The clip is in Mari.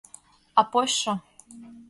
А почшо...